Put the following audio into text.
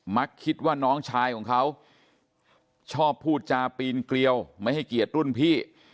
คิดว่าน้องชายของเขาชอบพูดจาปีนเกลียวไม่ให้เกียรติรุ่นพี่